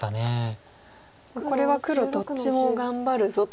これは黒どっちも頑張るぞと。